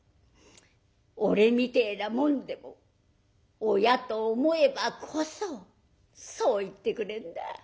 俺みてえな者でも親と思えばこそそう言ってくれんだ。